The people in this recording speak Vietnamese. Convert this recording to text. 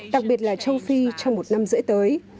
đặc biệt là châu phi trong một năm rưỡi tới